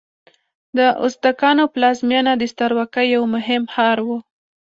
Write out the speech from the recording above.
د ازتکانو پلازمینه د سترواکۍ یو مهم ښار و.